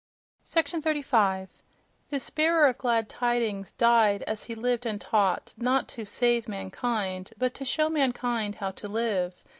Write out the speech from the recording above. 35. This "bearer of glad tidings" died as he lived and taught—not to "save mankind," but to show mankind how to live.